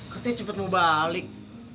katanya cepet mau balik